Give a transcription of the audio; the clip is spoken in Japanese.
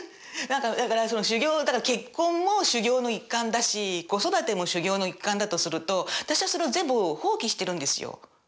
だから修行結婚も修行の一環だし子育ても修行の一環だとすると私はそれを全部放棄してるんですよ。